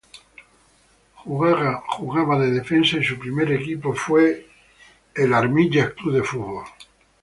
Jugaba de defensa y su primer equipo fue Go Ahead Eagles.